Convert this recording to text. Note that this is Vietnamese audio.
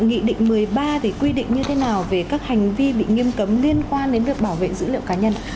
nghị định một mươi ba thì quy định như thế nào về các hành vi bị nghiêm cấm liên quan đến việc bảo vệ dữ liệu cá nhân